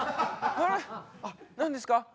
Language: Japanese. あっ何ですか？